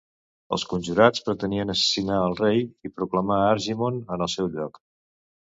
Els conjurats pretenien assassinar al rei i proclamar Argimon en el seu lloc.